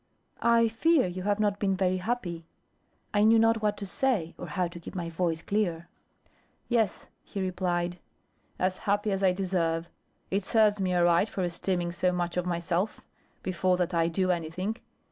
"I fear you have not been very happy." I knew not what to say, or how to keep my voice clear. "Yes," he replied, "as happy as I deserve. It serves me aright for esteeming so much of myself, before that I do anything.